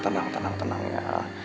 tenang tenang tenang ya